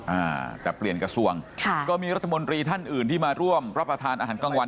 อ่าแต่เปลี่ยนกระทรวงค่ะก็มีรัฐมนตรีท่านอื่นที่มาร่วมรับประทานอาหารกลางวัน